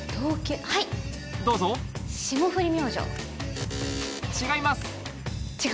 どうぞ違います